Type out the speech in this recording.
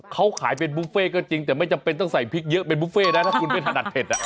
เขาขายเป็นบุฟเฟ่ก็จริงแต่ไม่จำเป็นต้องใส่พริกเยอะเป็นบุฟเฟ่นะถ้าคุณไม่ถนัดเผ็ดอ่ะ